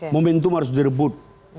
momentum harus direbut